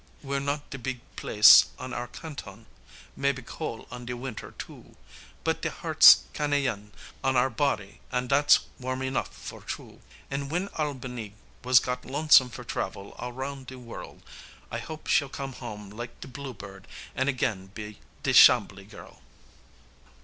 We're not de beeg place on our Canton, mebbe cole on de winter, too, But de heart's "Canayen" on our body an' dat's warm enough for true! An' w'en All ba nee was got lonesome for travel all roun' de worl' I hope she'll come home, lak de bluebird, an' again be de Chambly girl!